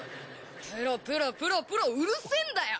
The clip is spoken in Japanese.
プロプロプロプロうるせぇんだよ！